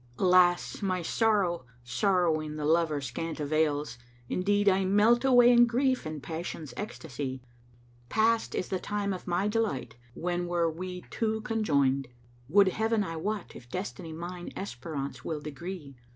Alas my sorrow! Sorrowing the lover scant avails; * Indeed I melt away in grief and passion's ecstasy: Past is the time of my delight when were we two conjoined: * Would Heaven I wot if Destiny mine esperance will degree!